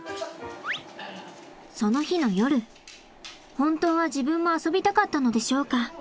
本当は自分も遊びたかったのでしょうか？